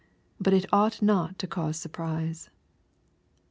But it ought not to cause surprise.